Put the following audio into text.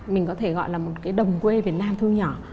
mình có thể gọi là một cái đồng quê việt nam thương nhỏ